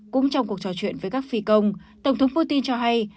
cũng trong cuộc trò chuyện với các phi công tổng thống putin cho hay